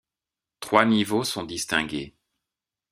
Trois niveaux sont distingués.